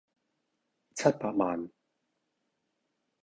七百萬